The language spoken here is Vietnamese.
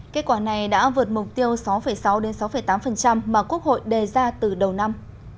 kết quả này đã vượt mục tiêu sáu sáu tám mà quốc hội đề ra từ đầu năm